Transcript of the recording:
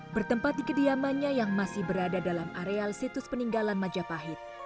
bertempat di kediamannya yang masih berada dalam areal situs peninggalan majapahit